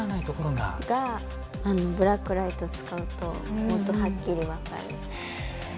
がブラックライト使うともっとはっきり分かる。